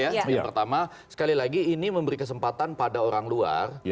yang pertama sekali lagi ini memberi kesempatan pada orang luar